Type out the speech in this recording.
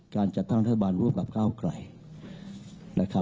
การจัดตั้งรัฐบาลร่วมกับก้าวไกล